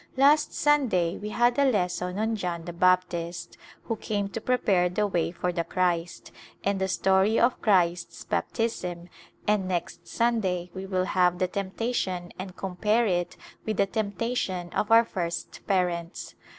Last Sunday we had a lesson on John the Baptist, who came to prepare the way for the Christ, and the story of Christ's baptism, and next Sunday we will have the temptation and compare it with the tempta tion of our first parents.